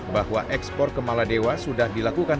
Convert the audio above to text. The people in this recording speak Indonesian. bahwa ekspor ke maladewa sudah dilakukan